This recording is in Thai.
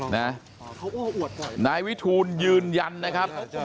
นายวิทูลยืนยันนะครับ